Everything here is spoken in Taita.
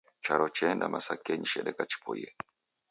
Charo cheenda masakenyi chedeka chipoiye.